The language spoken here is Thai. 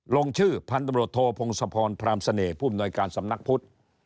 ลงชื่อพันธุปรังสภพรพราหมณ์เสน่ห์ภูมิหน่อยการสำนักพุทธ